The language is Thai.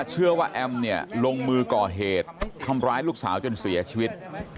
แอมเนี่ยลงมือก่อเหตุทำร้ายลูกสาวจนเสียชีวิต